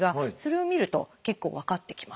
それを見ると結構分かってきます。